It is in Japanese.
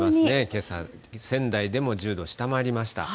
けさ、仙台でも１０度下回りました。